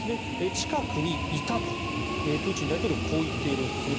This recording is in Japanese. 近くにいたと、プーチン大統領はこう言っているんですね。